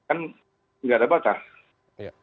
kalau dengan bensin atau solar atau diesel kan nggak bisa